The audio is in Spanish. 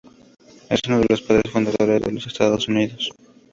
Es uno de los Padres fundadores de los Estados Unidos.